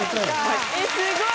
すごい。